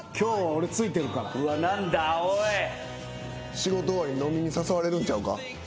仕事終わり飲みに誘われるんちゃうか？